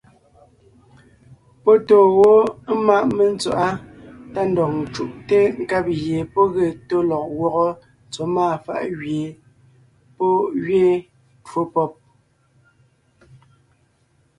Pɔ́ tóo wó ḿmaʼ mentswaʼá tá ndɔg ńcúʼte nkab gie pɔ́ ge tó lɔg gwɔ́gɔ tsɔ́ máa fàʼ gẅie pɔ́ gẅiin twó pɔ́b.